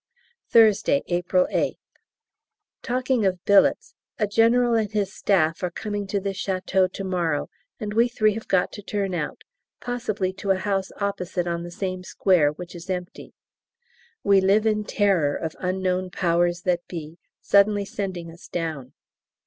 Thursday, April 8th. Talking of billets, a General and his Staff are coming to this Château to morrow and we three have got to turn out, possibly to a house opposite on the same square, which is empty. We live in terror of unknown Powers that Be suddenly sending us down.